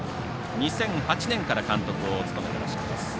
２００８年から監督を務めていらっしゃいます。